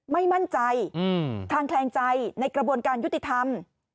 ไม่มั่นใจคลางแคลงใจในกระบวนการยุติธรรม